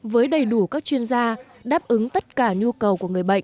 với đầy đủ các chuyên gia đáp ứng tất cả nhu cầu của người bệnh